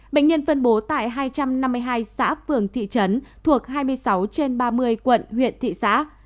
bệnh nhân phân bố tại hai trăm năm mươi hai xã phường thị trấn thuộc hai mươi sáu trên ba mươi quận huyện thị xã